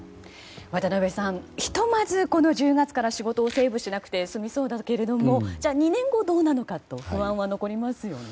渡辺さん、ひとまずこの１０月から仕事をセーブせずに済みそうだけど２年後どうなのかと不安は残りますよね。